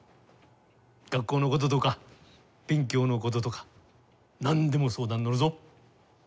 学校のこととか勉強のこととか何でも相談に乗るぞ。